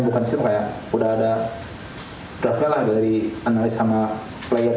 bukan sistem sudah ada draftnya dari analis sama player